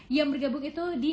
yang bergabung itu di